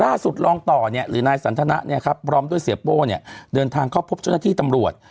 รองต่อเนี่ยหรือนายสันทนะพร้อมด้วยเสียโป้เนี่ยเดินทางเข้าพบเจ้าหน้าที่ตำรวจ